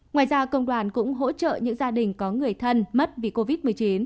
ngoài ra công đoàn cũng hỗ trợ những gia đình có người thân mất vì covid một mươi chín